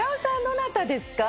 どなたですか？